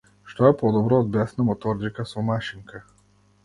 Што е подобро од бесна моторџика со машинка?